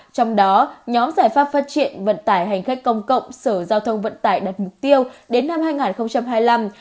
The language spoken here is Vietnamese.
trong đó nhóm giải pháp phát triển vận tải hành khách công cộng sở giao thông vận tải đặt mục tiêu đến năm hai nghìn hai mươi năm